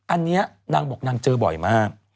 อันนี้นางบอกนางเจอบ่อยมาก